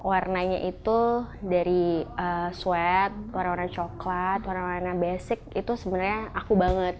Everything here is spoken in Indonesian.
warnanya itu dari suet warna warna coklat warna warna basic itu sebenarnya aku banget